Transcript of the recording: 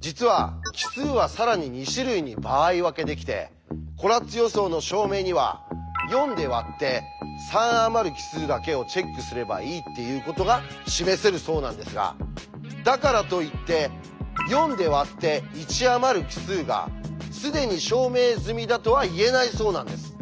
実は奇数は更に２種類に場合分けできてコラッツ予想の証明には４で割って３あまる奇数だけをチェックすればいいっていうことが示せるそうなんですがだからといって４で割って１あまる奇数が既に証明済みだとは言えないそうなんです。